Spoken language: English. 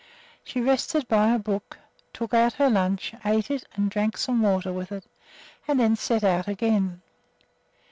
She rested by a brook, took out her lunch, ate it and drank some water with it, and then set out again.